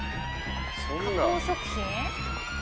加工食品？